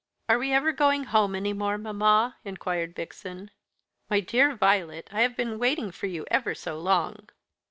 "Are we ever going home any more, mamma?" inquired Vixen. "My dear Violet, I have been waiting for you ever so long."